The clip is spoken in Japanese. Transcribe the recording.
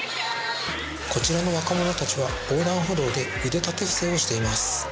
こちらの若者たちは横断歩道で腕立て伏せをしています。